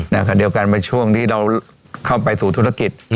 ขณะเดียวกันเป็นช่วงที่เราเข้าไปสู่ธุรกิจ